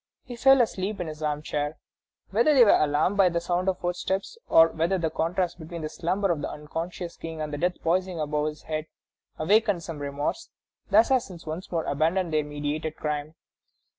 He fell asleep in his armchair. Whether they were alarmed by the sound of footsteps, or whether the contrast between the slumber of the unsuspicious King and the death poising above his head awakened some remorse, the assassins once more abandoned their meditated crime.